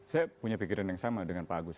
saya punya pikiran yang sama dengan pak agus